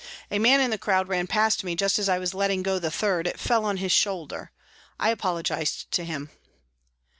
A man hi the crowd ran past me just as I was letting go the third it fell on his shoulder ; I apologised to him."